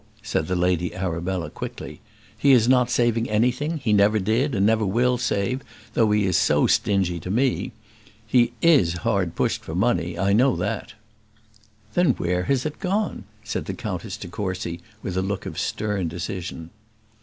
said the Lady Arabella, quickly. "He is not saving anything; he never did, and never will save, though he is so stingy to me. He is hard pushed for money, I know that." "Then where has it gone?" said the Countess de Courcy, with a look of stern decision.